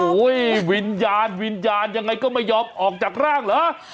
โอ้โหวิญญาณวิญญาณยังไงก็ไม่ยอมออกจากร่างเหรอ